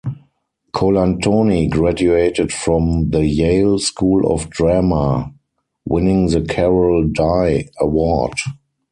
Colantoni graduated from the Yale School of Drama, winning the Carol Dye Award.